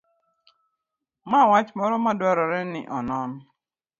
mar wach moro ma dwarore ni onon